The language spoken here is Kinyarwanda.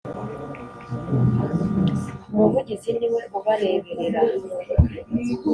Umuvugizi niwe ubareberera.